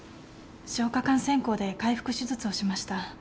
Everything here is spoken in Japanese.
消化管穿孔で開腹手術をしました。